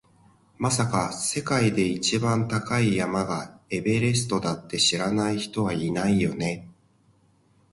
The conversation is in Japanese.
まさか、世界で一番高い山がエベレストだって知らない人はいないよね？